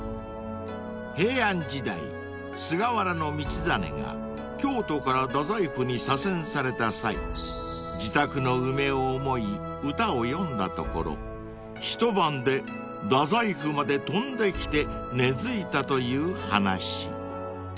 ［平安時代菅原道真が京都から大宰府に左遷された際自宅の梅を思い歌を詠んだところ一晩で大宰府まで飛んできて根付いたという話］